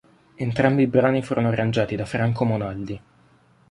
Entrambi i brani furono arrangiati da Franco Monaldi.